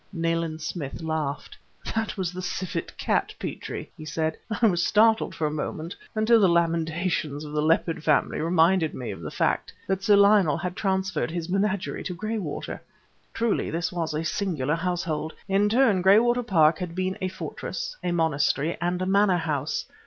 Nayland Smith laughed. "That was the civet cat, Petrie!" he said. "I was startled, for a moment, until the lamentations of the leopard family reminded me of the fact that Sir Lionel had transferred his menagerie to Graywater!" Truly, this was a singular household. In turn, Graywater Park had been a fortress, a monastery, and a manor house.